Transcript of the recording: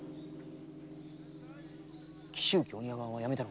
紀州家お庭番はやめたのか？